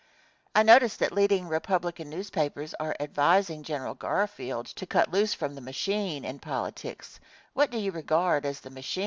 Question. I notice that leading Republican newspapers are advising General Garfield to cut loose from the machine in politics; what do you regard as the machine?